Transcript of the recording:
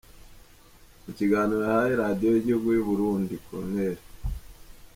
Mu kiganiro yahaye Radiyo y’Igihugu y’u Burundi, Col.